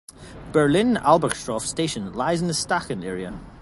Berlin-Albrechtshof station also lies in the Staaken area.